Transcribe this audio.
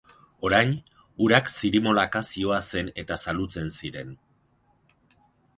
Orain, urak zirimolaka zihoazen eta zalutzen ziren.